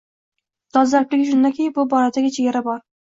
Dolzarbligi shundaki, bu boradagi chegara bor.